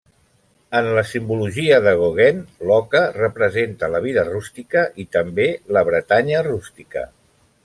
En la simbologia de Gauguin, l'oca representa la vida rústica i també la Bretanya rústica.